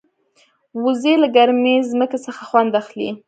وزې له ګرمې ځمکې څخه خوند اخلي